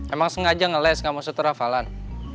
emang sengaja ngeles gak mau seterah falan